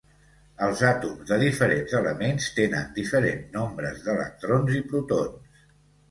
Els àtoms de diferents elements tenen diferents nombres d'electrons i protons.